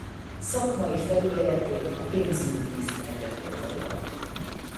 Szakmai felügyeletét a pénzügyminiszter gyakorolja.